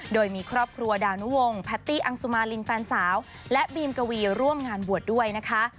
โดยมีครอบครัวดาวนุวงศ์แพตตี้อังสุมารินแฟนสาวและบีมกวีร่วมงานบวชด้วยนะคะ